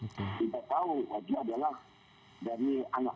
baik teluk pun kemudian kedudukannya kita dengan dari ba'is abdi punya alat